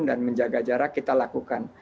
dan menjaga jarak kita lakukan